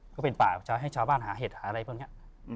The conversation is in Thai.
ก็เป็นพ่อเดี๋ยวต้องทำให้ชาวบ้านหาเห็ดหาอะไรพวกเนี่ย